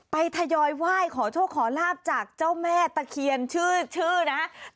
ทยอยไหว้ขอโชคขอลาบจากเจ้าแม่ตะเคียนชื่อนะครับ